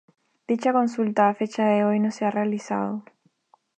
Dicha consulta a fecha de hoy no se ha realizado.